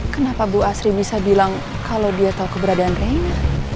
kenapa bu asri bisa bilang kalau dia tahu keberadaan renya